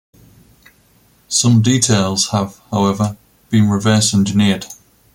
Some details have, however, been reverse engineered.